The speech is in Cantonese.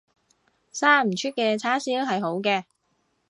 生唔出嘅叉燒係好嘅